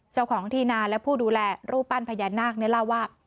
เจ้าของที่นาและผู้ดูแลรูปปั้นพญานาคเนี่ยเล่าว่า